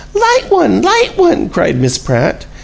"Light one, light one!" cried Miss Pratt.